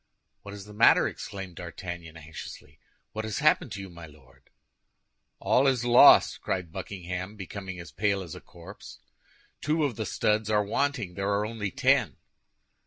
"What is the matter?" exclaimed D'Artagnan, anxiously; "what has happened to you, my Lord?" "All is lost!" cried Buckingham, becoming as pale as a corpse; "two of the studs are wanting, there are only ten."